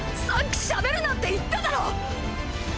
さっきしゃべるなって言っただろ！！